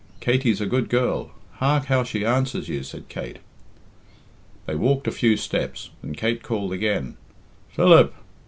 Katey's a good girl. Hark how she answers you," said Kate. They walked a few steps, and Kate called again, "Philip!"